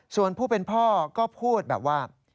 ส่วนผู้เป็นพ่อก็พูดแบบว่า